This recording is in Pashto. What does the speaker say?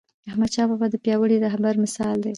احمدشاه بابا د پیاوړي رهبر مثال دی..